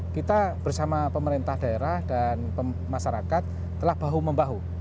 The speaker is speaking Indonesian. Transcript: kita bersama pemerintah daerah dan masyarakat telah bahu membahu